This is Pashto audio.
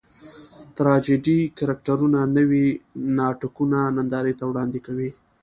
ټراجېډي کرکټرونه نوي ناټکونه نندارې ته وړاندې کوي.